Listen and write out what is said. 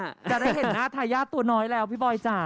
จะได้เห็นหน้าทายาทตัวน้อยแล้วพี่บอยจ๋า